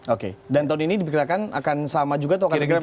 oke dan tahun ini diperkirakan akan sama juga atau akan lebih tinggi